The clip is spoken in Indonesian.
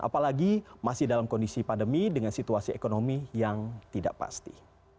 apalagi masih dalam kondisi pandemi dengan situasi ekonomi yang tidak pasti